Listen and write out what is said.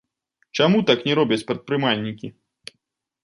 Чаму так не робяць прадпрымальнікі?